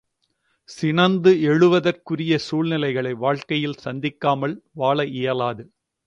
சினந்து எழுவதற்குரிய சூழ்நிலைகளை வாழ்க்கையில் சந்திக்காமல் வாழ இயலாது.